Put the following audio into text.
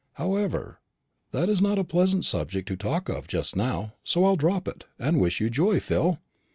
However, that's not a pleasant subject to talk of just now; so I'll drop it, and wish you joy, Phil.